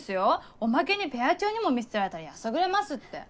おまけにペア長にも見捨てられたらやさぐれますって。